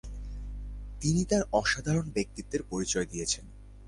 তিনি তার অসাধারণ ব্যক্তিত্বের পরিচয় দিয়েছেন।